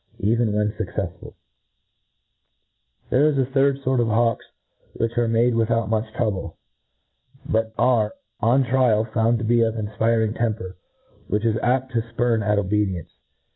even when fuccefsful. There MODERN FAULCONRY. i8f There is a third fort of hawks which are made without much trouble, but arc, on trial, found to be of an afpiring temper, which is apt to fpurn at obedience.